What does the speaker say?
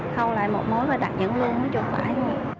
khâu lại một mối và đặt dưỡng lương nó cho phải